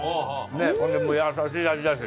それで優しい味だし。